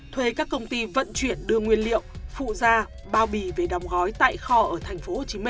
thuê các công ty vận chuyển đưa nguyên liệu phụ gia bao bì về đóng gói tại kho ở tp hcm